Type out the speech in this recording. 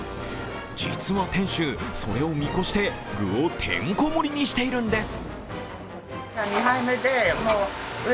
実は店主、それを見越して具をてんこ盛りにしているんです。